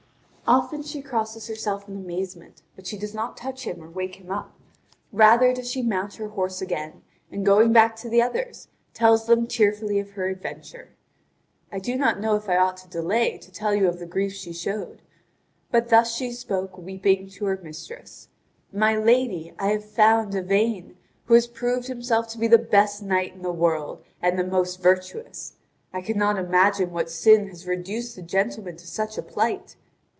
Often she crosses herself in amazement, but she does not touch him or wake him up; rather does she mount her horse again, and going back to the others, tells them tearfully of her adventure. I do not know if I ought to delay to tell you of the grief she showed; but thus she spoke weeping to her mistress: "My lady, I have found Yvain, who has proved himself to be the best knight in the world, and the most virtuous. I cannot imagine what sin has reduced the gentleman to such a plight.